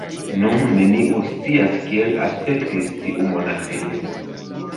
Nun neniu scias kiel aspektis tiu monaĥejo.